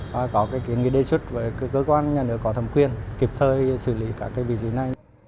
và có kiến nghị đề xuất với cơ quan nhà nước có thẩm quyền kịp thời xử lý các vị trí này